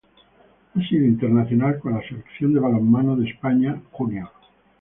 Ha sido internacional con la selección de balonmano de España junior.